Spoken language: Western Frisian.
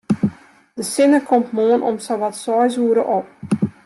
De sinne komt moarn om sawat seis oere op.